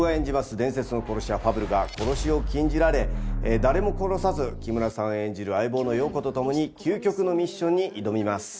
伝説の殺し屋ファブルが殺しを禁じられ誰も殺さず木村さん演じる相棒のヨウコと共に究極のミッションに挑みます。